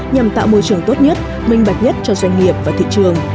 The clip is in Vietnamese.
nhằm tạo môi trường tốt nhất minh bạch nhất cho doanh nghiệp và thị trường